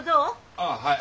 ああはい。